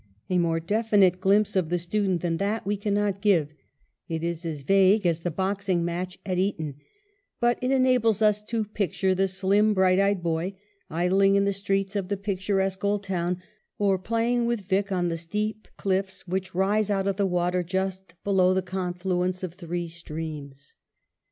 A more definite glimpse of the student than that we cannot get : it is as vague as the boxing match at Eton; but it enables us to picture the slim bright eyed boy, idling in the streets of the picturesque old town, or playing with "Vick" on the steep cliffs which rise out of the water just below the confluence of WELLINGTON three streams.